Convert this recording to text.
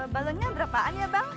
balonnya berapaan ya bang